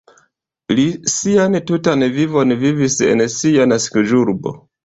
Li sian tutan vivon vivis en sia naskiĝurbo.